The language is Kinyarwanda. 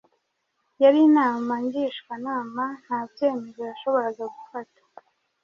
yari inama ngishwanama, nta byemezo yashoboraga gufata.